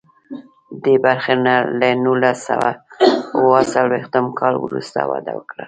دې برخې له نولس سوه اوه څلویښتم کال وروسته وده وکړه.